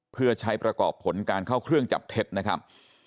เพื่อใช้ประกอบผลการเข้าเครื่องจับเท็จนะครับ